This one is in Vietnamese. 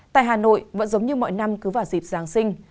tại hà nội vẫn giống như mọi năm cứ vào dịp giáng sinh